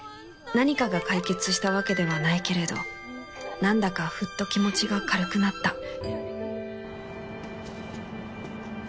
何かが解決したわけではないけれどなんだかフッと気持ちが軽くなった